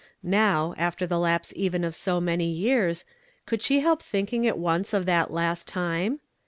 Now, after the lapse even of .>o many years, could she help thinking at once of that last time